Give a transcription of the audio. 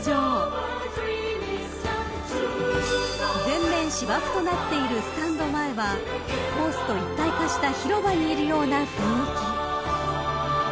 ［全面芝生となっているスタンド前はコースと一体化した広場にいるような雰囲気］